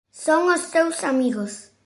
Son os teus amigos.